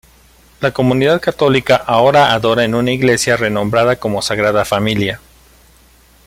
La comunidad católica ahora adora en una iglesia, renombrada como Sagrada Familia.